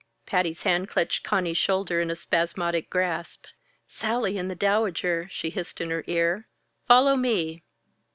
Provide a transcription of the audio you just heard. Patty's hand clutched Conny's shoulder in a spasmodic grasp. "Sallie and the Dowager!" she hissed in her ear. "Follow me!"